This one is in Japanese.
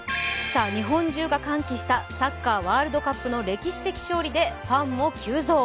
日本中が歓喜したサッカーワールドカップの歴史的勝利でファンも急増。